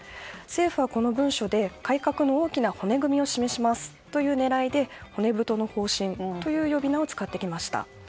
政府はこの文書で改革の大きな骨組みを示すという意味で骨太の方針という呼び名を使ってきました。